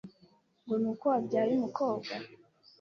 ngo ni uko wabyaye umukobwa